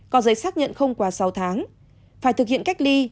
có giấy xác nhận không quá sáu tháng phải thực hiện cách ly